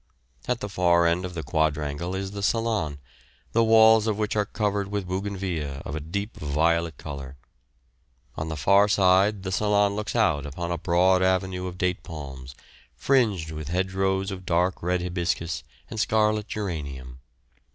At the far end of the quadrangle is the salon, the walls of which are covered with bougainvillea of a deep violet colour. On the far side the salon looks out upon a broad avenue of date palms, fringed with hedgerows of dark red hibiscus and scarlet geranium.